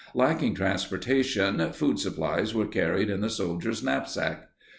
Lacking transportation, food supplies were carried in the soldier's knapsack.